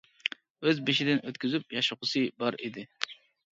ئۆز بېشىدىن ئۆتكۈزۈپ ياشىغۇسى بار ئىدى.